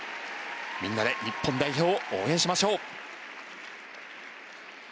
みんなで日本代表を応援しましょう。